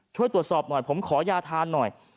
ช่วยตรวจสอบหน่อยผมขอยาทานหน่อย